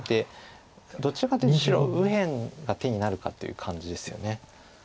どちらかというと白右辺が手になるかという感じですよね。